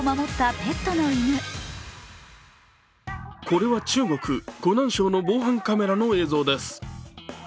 これは中国湖南省の防犯カメラの映像です。